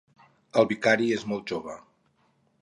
El vicari és molt jove.